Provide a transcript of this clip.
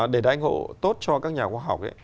để đại ngộ tốt cho các nhà khoa học